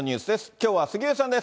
きょうは杉上さんです。